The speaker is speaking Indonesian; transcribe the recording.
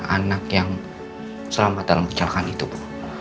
anak yang selamat dalam kecelakaan itu bu